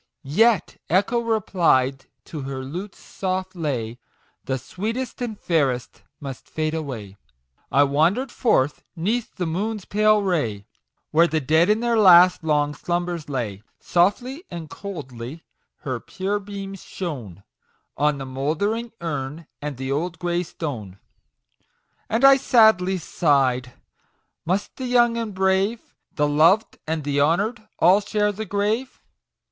Yet Echo replied to her lute's soft lay, ;t The sweetest and fairest must fade away !"I wandered forth, 'neath the moon's pale ray, Where the dead in their last long slumbers lay ; Softly and coldly her pure beams shone On the mouldering urn and the old grey stone ; 30 MAGIC WORDS. And I sadly sigh'd, " Must the young and brave, The loved and the honour'd, all share the grave